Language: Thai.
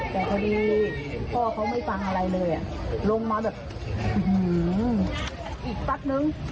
แต่พอดีพ่อเขาไม่ฟังอะไรเลยอ่ะลงมาแบบอีกแป๊บนึง